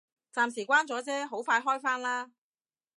暫時閂咗啫，好快開返啦